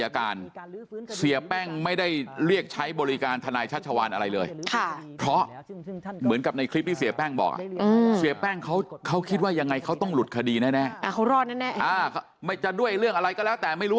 การที่บอกเหมือนกับว่าถูกหลอกให้ไป